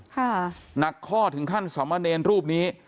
หนักข้อถึงขั้นสมเนรรูปนี้